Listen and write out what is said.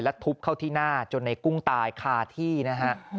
ทุบเข้าที่หน้าจนในกุ้งตายคาที่นะฮะ